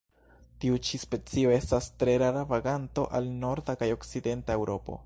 Tiu ĉi specio estas tre rara vaganto al norda kaj okcidenta Eŭropo.